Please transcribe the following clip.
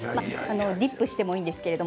ディップしてもいいんですけど。